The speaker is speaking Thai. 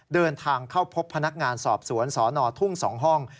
เดินทางเข้าพบพนักงานสอบสวนสนทุ่ง๒ห้อง